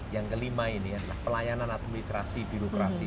yang kelima ini adalah pelayanan administrasi birokrasi